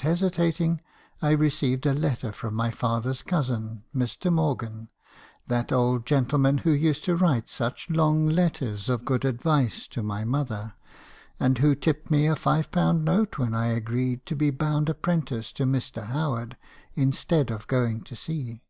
hesitating, I received a letter from my father's cousin, Mr. Mor gan, — that old gentleman who used to write such long letters of good advice to my mother, and who tipped me a five pound note when I agreed to be bound apprentice to Mr. Howard, instead of going to sea.